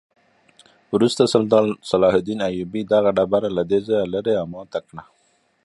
وروسته سلطان صلاح الدین ایوبي دغه ډبره له دې ځایه لرې او ماته کړه.